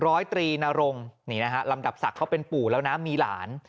ร้อยตรีนรงนี่นะฮะลำดับศักดิ์เขาเป็นปู่แล้วนะมีหลาน